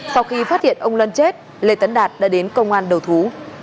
sau khi phát hiện ông luân chết lê tấn đạt đã đến công an đầu thú